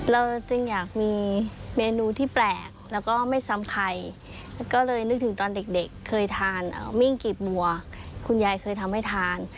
เราจึงอยากมีเมนูที่แปลกแล้วก็ไม่ซ้ำใครก็เลยนึกถึงตอนเด็กเคยทานมิ้งกีบบัวคุณยายเคยทำให้ทาน